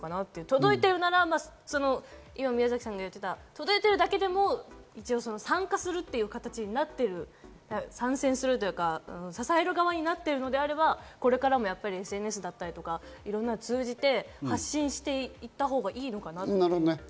届いているならば、宮崎さんが言っていた届いているだけでも参加するという形になっている、参戦するというか、支える側になっているならば、これからもＳＮＳや、いろいろなものを通じて発信していったほうがいいのかなと。